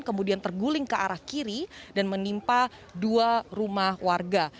kemudian terguling ke arah kiri dan menimpa dua rumah warga